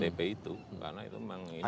karena itu memang ini uangnya